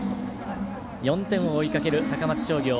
４点を追いかける高松商業。